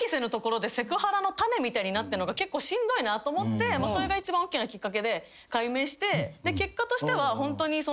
なってるのが結構しんどいなと思ってそれが一番大きなきっかけで改名して結果としてはホントにその。